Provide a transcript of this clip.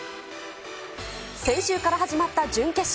先週から始まった準決勝。